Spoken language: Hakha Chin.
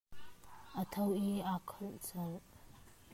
A tho i a kal colh.